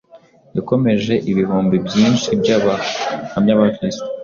yakomeje ibihumbi byinshi by’abahamya ba Kristo